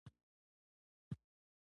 د نوي یرغل په باره کې خبرونه راغلل.